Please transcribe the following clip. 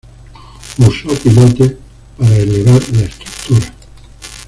Usó pilotes para elevar la estructura.